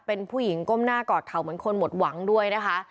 เป็นผู้หญิงก้มหน้ากอดเขาเหมือนคนหมดหวังด้วยนะคะ